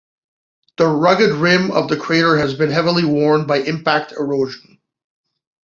The rugged rim of this crater has been heavily worn by impact erosion.